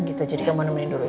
gitu jadi kamu nemenin dulu